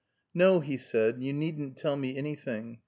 "No," he said. "You needn't tell me anything.